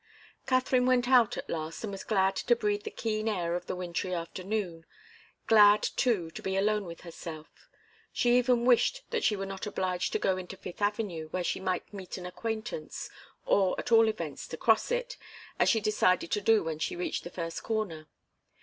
Katharine went out, at last, and was glad to breathe the keen air of the wintry afternoon; glad, too, to be alone with herself. She even wished that she were not obliged to go into Fifth Avenue, where she might meet an acquaintance, or at all events to cross it, as she decided to do when she reached the first corner.